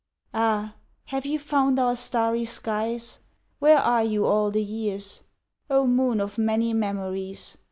Ah! have you found our starry skies? Where are you all the years? Oh, moon of many memories!